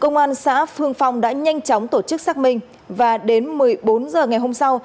công an xã phương phong đã nhanh chóng tổ chức xác minh và đến một mươi bốn h ngày hôm sau